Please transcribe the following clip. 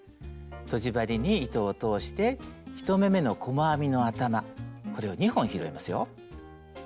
とじ針に糸を通して１目めの細編みの頭これを２本拾いますよ。